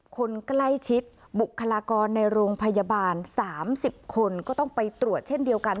คนใกล้ชิดบุคลากรในโรงพยาบาล๓๐คนก็ต้องไปตรวจเช่นเดียวกัน